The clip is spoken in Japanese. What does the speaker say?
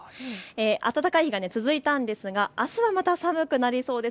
暖かい日が続いたんですがあすはまた寒くなりそうです。